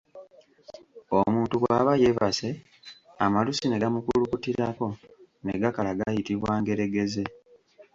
Omuntu bw’aba yeebase, amalusu ne gamukulukutirako ne gakala gayitibwa ngeregeze.